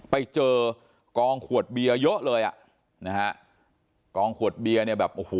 ไปเจอกองขวดเบียร์เยอะเลยอ่ะ